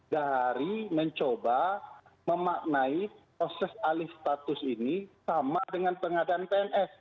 dari mencoba memaknai proses alih status ini sama dengan pengadaan pns